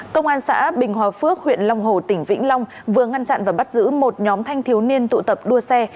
công an xã bình hòa phước huyện long hồ tỉnh vĩnh long vừa ngăn chặn và bắt giữ một nhóm thanh thiếu niên tụ tập đua xe